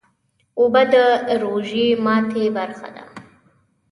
اوبه د روژې ماتی برخه ده